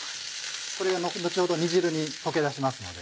これが後ほど煮汁に溶け出しますので。